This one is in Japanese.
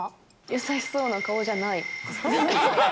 優しそうな顔じゃない。